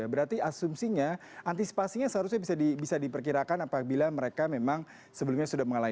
berarti asumsinya antisipasinya seharusnya bisa diperkirakan apabila mereka memang sebelumnya sudah mengalami